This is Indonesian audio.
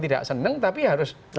tidak senang tapi harus